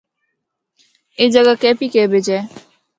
اے جگہ کے پی کے بچ ہے۔